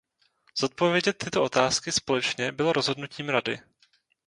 Zodpovědět tyto otázky společně bylo rozhodnutím Rady.